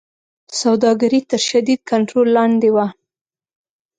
سوداګري تر شدید کنټرول لاندې وه.